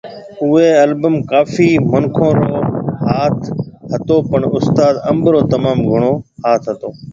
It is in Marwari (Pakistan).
اوئي البم ڪافي منکون رو ھاٿ ھتو پڻ استاد انب رو تموم گھڻو ھاٿ ھتو